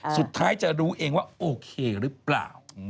สุดท้ายจะรู้เองว่าโอเคหรือเปล่า